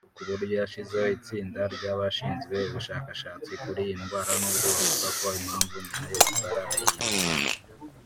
kuburyo yashyizeho itsinda ry’abashinzwe ubushakashatsi kuri iyi ndwara n’ubwo bavuga ko impamvu nyayo batarayimenya